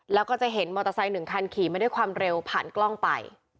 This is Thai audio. แล้วก็จะเห็นมอเตอร์ไซค์หนึ่งคันขี่มาด้วยความเร็วผ่านกล้องไป